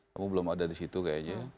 kamu belum ada di situ kayaknya